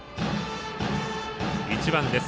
１番です。